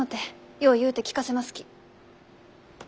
よう言うて聞かせますき。